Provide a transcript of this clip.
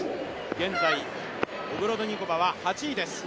現在、オグロドニコバは８位です。